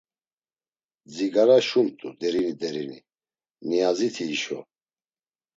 Dzigara şumt̆u derini derini, Niyaziti hişo.